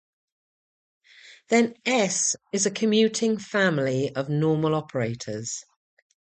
Then "S" is a commuting family of normal operators.